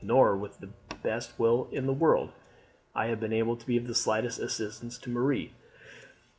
Nor, with the best will in the world, have I been able to be of the slightest assistance to Marie.